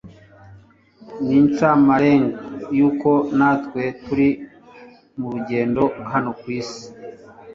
ni incamarenga y'uko natwe turi mu rugendo hano ku isi